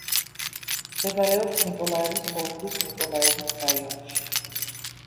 მდებარეობს ნიკოლაევის ოლქის ნიკოლაევის რაიონში.